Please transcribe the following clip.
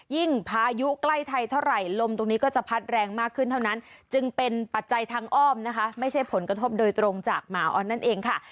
พายุใกล้ไทยเท่าไหร่ลมตรงนี้ก็จะพัดแรงมากขึ้นเท่านั้นจึงเป็นปัจจัยทางอ้อมนะคะไม่ใช่ผลกระทบโดยตรงจากหมาออนนั่นเองค่ะ